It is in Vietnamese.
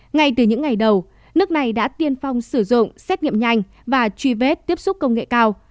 ngay từ những ngày đầu nước này đã tiên phong sử dụng xét nghiệm nhanh và truy vết tiếp xúc công nghệ cao